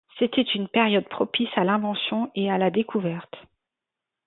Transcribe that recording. C'était une période propice à l'invention et à la découverte.